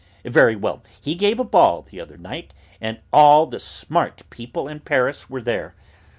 Very well! He gave a ball the other night, and all the smart people in Paris were there.